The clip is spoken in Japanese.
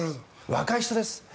若い人です。